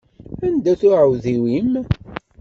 Anda-t uɛewdiw-im?